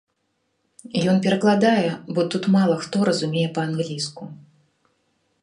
Ён перакладае, бо тут мала хто разумее па-англійску.